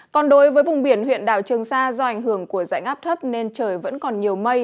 còn đối với vùng biển huyện đảo trường sa do ảnh hưởng của dãy ngáp thấp nên trời vẫn còn nhiều mây